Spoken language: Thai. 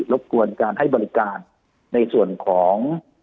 บกวนการให้บริการในส่วนของ